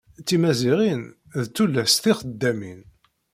Timaziɣin d tullas tixeddamin.